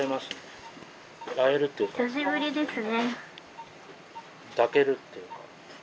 久しぶりですね。